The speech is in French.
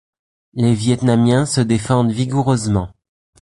Les Vietnamiens se défendent vigoureusement.